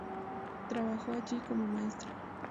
Trabajó allí como maestra.